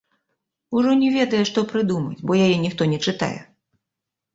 Ужо не ведае, што прыдумаць, бо яе ніхто не чытае.